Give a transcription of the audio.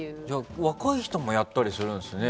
若い人もやったりするんですね。